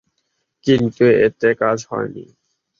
কিন্তু এতে কাজ হয়নি।